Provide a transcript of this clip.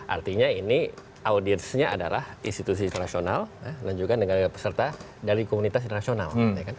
artinya ini audiensnya adalah institusi internasional dan juga negara peserta dari komunitas internasional